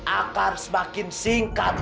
akan semakin singkat